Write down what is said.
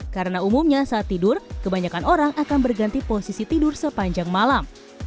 karena umumnya saat tidur kebanyakan orang akan berganti posisi tidur sepanjang malam